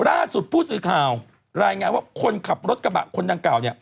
ล่าสุดผู้สื่อข่าวรายงานว่าคนขับรถกระบะคนดังกล่าวเนี่ย